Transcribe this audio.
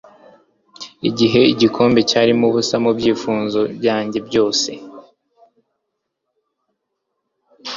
igihe igikombe cyarimo ubusa mubyifuzo byanjye byose